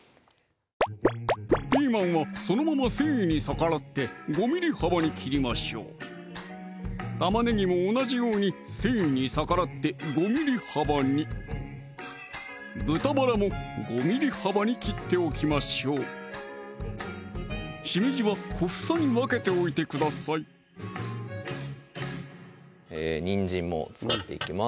ピーマンはそのまま繊維に逆らって５ｍｍ幅に切りましょう玉ねぎも同じように繊維に逆らって５ｍｍ幅に豚バラも５ｍｍ幅に切っておきましょうしめじは小房に分けておいてくださいにんじんも使っていきます